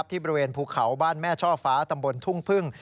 บริเวณภูเขาบ้านแม่ช่อฟ้าตำบลทุ่งพึ่ง